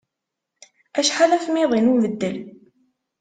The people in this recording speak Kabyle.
Acḥal afmiḍi n ubeddel?